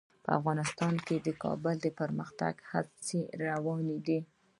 افغانستان کې د کابل د پرمختګ هڅې روانې دي.